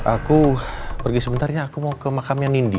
aku pergi sebentar ya aku mau ke makamnya nindi